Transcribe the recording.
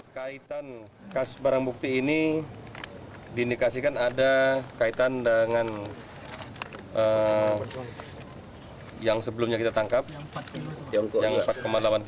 kaitan kasus barang bukti ini diindikasikan ada kaitan dengan yang sebelumnya kita tangkap yang empat delapan puluh sembilan